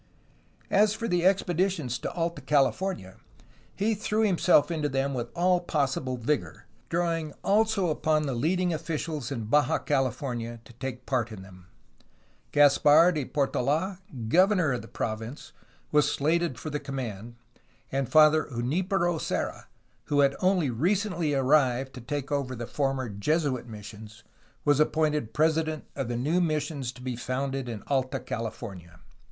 As for the expeditions to Alta California, he threw himself into them with all possible vigor, drawing also upon the leading officials in Baja California to take part in them. Caspar de Portold, governor of the province, was slated for the command, and Father Junipero Serra, who had only recently arrived to take over the former Jesuit missions, was appointed president of the new missions to be founded in Alta California.